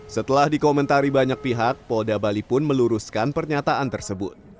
setelah dikomentari banyak pihak polda bali pun meluruskan pernyataan tersebut